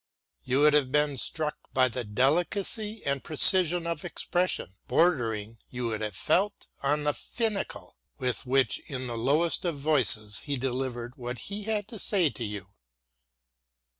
You would have been struck with the delicacy and precision of expression, bordering, you would have felt, on the finical, with which, in the lowest of voices, he delivered what he had to say to you.